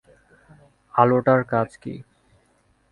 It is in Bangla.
আলোটার কাজ কী?